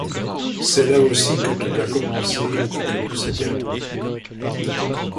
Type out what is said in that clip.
C'est là aussi que tout a commencé et que tout s'est terminé.